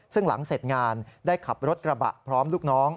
ซึ่งหลังเสร็จงานได้ขับรถกระบะพร้อมลูกน้อง